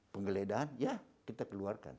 penggeledahan ya kita keluarkan